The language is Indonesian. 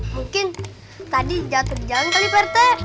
mungkin tadi jatuh di jalan kali pertek